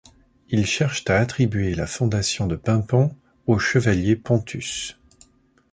Ils cherchent à attribuer la fondation de Paimpont au chevalier Ponthus.